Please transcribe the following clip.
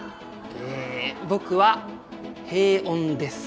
え僕は「平穏」です。